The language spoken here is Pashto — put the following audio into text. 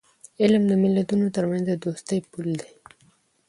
علم د ملتونو ترمنځ د دوستی پل دی.